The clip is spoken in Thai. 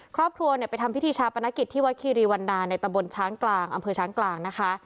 ครอบครัวเนี่ยไปทำพิธีชาปนกิจที่วัดคีรีวันดาในตะบนช้างกลางอำเภอช้างกลางนะคะ